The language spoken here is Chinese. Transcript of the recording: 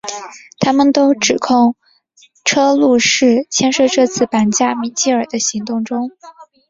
他们都指控车路士牵涉这次绑架米基尔的行动中。